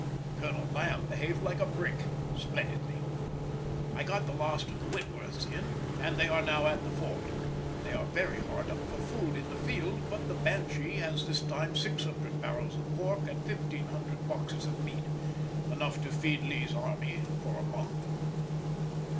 Colonel Lamb behaved like a brick—splendidly. I got the last of the Whitworths in, and they are now at the Fort. They are very hard up for food in the field, but the Banshee has this time 600 barrels of pork and 1500 boxes of meat—enough to feed Lee's army for a month.